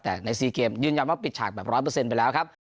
แต่ใน๔เกมยืนยันว่าปิดฉากแบบ๑๐๐ไปแล้วครับ